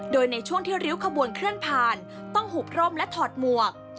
โดยในช่วงที่ริ้วขบวนเคลื่อนผ่านต้องหุบร่มและถอดหมวก